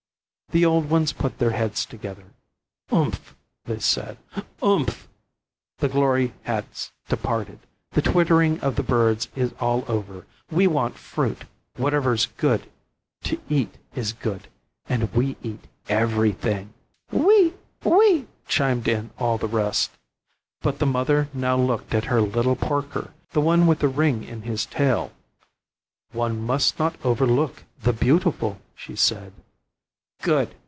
The old ones put their heads together. "Umph!" they said, "umph! The glory has departed: the twittering of the birds is all over: we want fruit; whatever's good to eat is good, and we eat everything." "Oui! oui!" chimed in all the rest. But the mother now looked at her little porker, the one with the ring in his tail, "One must not overlook the beautiful," she said. "Good!